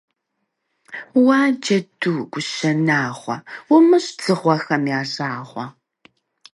Уа, Джэду, КӀущэ Нагъуэ, умыщӀ дзыгъуэхэм я жагъуэ.